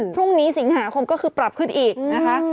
พรุ่งนี้สิงหาคมก็คือปรับขึ้นอีกนะคะ